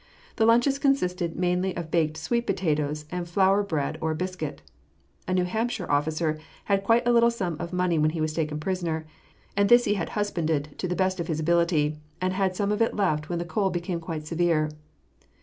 The lunches consisted mainly of baked sweet potatoes and flour bread or biscuit. A New Hampshire officer had quite a little sum of money when he was taken prisoner, and this he had husbanded to the best of his ability, and had some of it left when the cold became quite severe.